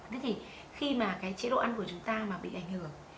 thế thì khi mà cái chế độ ăn của chúng ta mà bị ảnh hưởng